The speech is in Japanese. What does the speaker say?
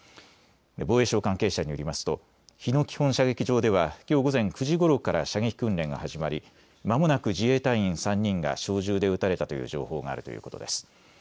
防衛省関係者によりますと日野基本射撃場ではきょう午前９時ごろから射撃訓練が始まりまもなく自衛隊員３人が小銃で撃たれたという情報があるということです。